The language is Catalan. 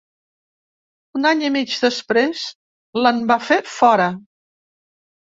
Un any i mig després, l’en van fer fora.